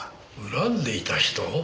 恨んでいた人？